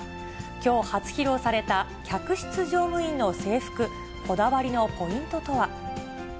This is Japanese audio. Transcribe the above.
きょう、初披露された客室乗務員の制服、こだわりのポイントとは。